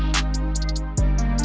nah mengapa misalnya